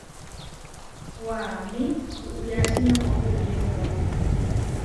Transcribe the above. Waʼamí kuʼriáči noʼó puyépua.